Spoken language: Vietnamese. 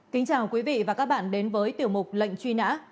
kính chào quý vị và các bạn đến với tiểu mục lệnh truy nã